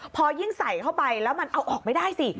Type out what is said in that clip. พอยิ่งใส่เข้าไปแล้วมันเอาออกไม่ได้สิ